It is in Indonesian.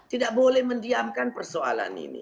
tidak boleh mendiamkan persoalan ini